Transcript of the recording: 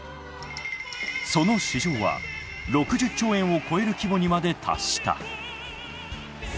その市場は６０兆円を超える規模にまで達した。